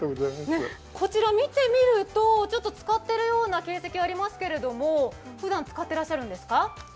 こちら、見てみると使ってるような形跡ありますけどふだん使っていらっしゃるんですか？